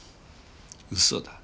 嘘だ。